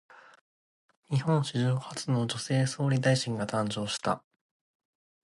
日本史上初の女性総理大臣が誕生した。